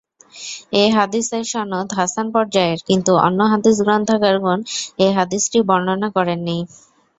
এ হাদীসের সনদ হাসান পর্যায়ের কিন্তু অন্য হাদীস গ্রন্থকারগণ এ হাদীসটি বর্ণনা করেননি।